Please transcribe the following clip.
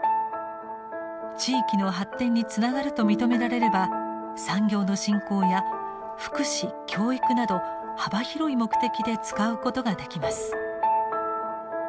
地域の発展につながると認められれば産業の振興や福祉・教育など幅広い目的で使うことができます。